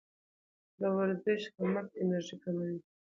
د ورزش کمښت انرژي کموي.